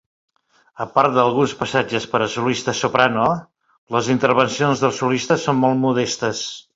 A part d'alguns passatges per a solista soprano, les intervencions dels solistes són molt modestes.